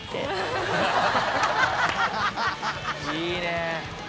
いいね。